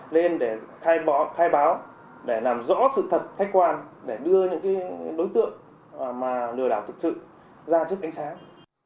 nên để thay bỏ thay báo để làm rõ sự thật thách quan để đưa những cái đối tượng mà lừa đảo thực sự ra trước ánh sáng